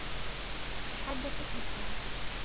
تحدثت بسرعة.